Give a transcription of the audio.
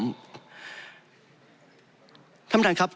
ท่านประธานครับ